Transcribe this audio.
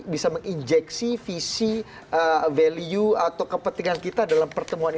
bisa menginjeksi visi value atau kepentingan kita dalam pertemuan ini